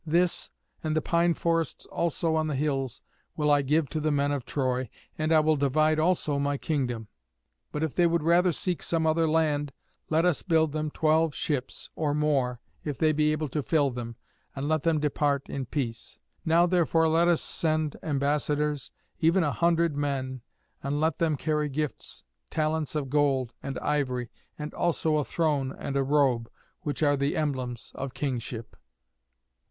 This, and the pine forests also on the hills, will I give to the men of Troy, and I will divide also my kingdom. But if they would rather seek some other land, let us build them twelve ships, or more, if they be able to fill them, and let them depart in peace. Now therefore let us send ambassadors, even a hundred men, and let them carry gifts, talents of gold, and ivory, and also a throne and a robe, which are the emblems of kingship."